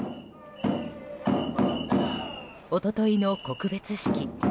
一昨日の告別式。